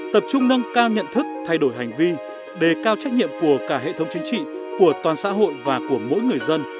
tập trung nâng cao nhận thức thay đổi hành vi đề cao trách nhiệm của cả hệ thống chính trị của toàn xã hội và của mỗi người dân